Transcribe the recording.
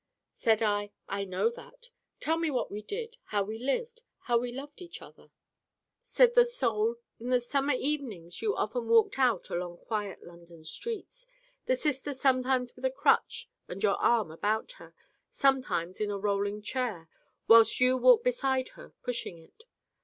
Said I: 'I know that. Tell me what we did how we lived how we loved each other.' Said the Soul: 'In the summer evenings you often walked out along quiet London streets the sister sometimes with a crutch and your arm about her, sometimes in a rolling chair, whilst you walked beside her pushing it.